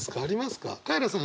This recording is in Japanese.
カエラさんある？